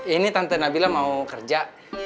ini tante nabila mau kerja